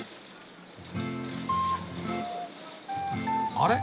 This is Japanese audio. あれ？